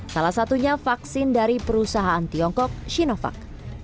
salah satunya vaksin dari perusahaan tiongkok sinovac